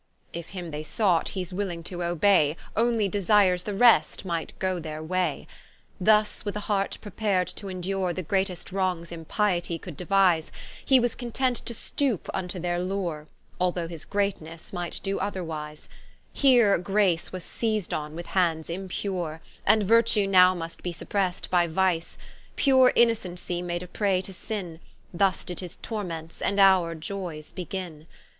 If him they sought, he's willing to obay, Onely desires the rest might goe their way. Thus with a heart prepared to endure The greatest wrongs Impietie could devise, He was content to stoope vnto their Lure, Although his Greatnesse might doe otherwise: Here Grace was seised on with hands impure, And Virtue now must be supprest by Vice, Pure Innocencie made a prey to Sinne, Thus did his Torments and our Ioyes beginne.